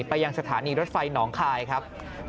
ไปยังสถานีรถไฟหนองคายครับ